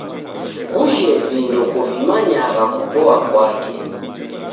Kujhe vindo kuvimanyagha kupoa kwake